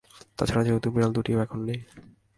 তা ছাড়া যেহেতু বিড়াল দুটিও এখন নেই।